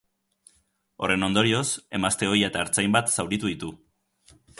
Horren ondorioz, emazte ohia eta ertzain bat zauritu ditu.